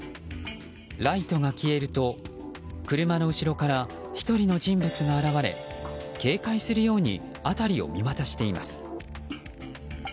ライトが消えると車の後ろから１人の人物が現れ警戒するように辺りを見渡しています。